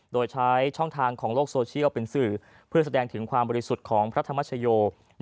โดยใช้ช่องทางของโลกโซเชียลเป็นสื่อเพื่อแสดงถึงความบริสุทธิ์ของพระธรรมชโย